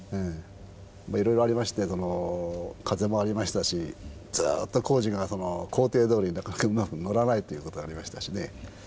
いろいろありましてその風もありましたしずっと工事がその工程どおりなかなかうまくのらないということがありましたしね。